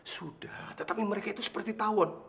sudah tetapi mereka itu seperti tawon